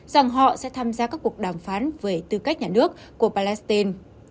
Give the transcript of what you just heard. rằng họ sẽ tham gia các cuộc đàm phán về tư cách nhà nước của palestine